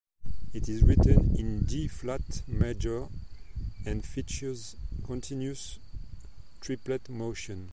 It is written in D-flat major, and features continuous triplet motion.